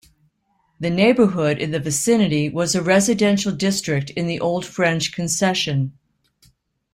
The neighbourhood in the vicinity was a residential district in the old French Concession.